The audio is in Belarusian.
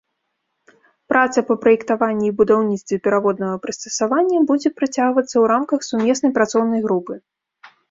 Праца па праектаванні і будаўніцтве пераводнага прыстасавання будзе працягвацца ў рамках сумеснай працоўнай групы.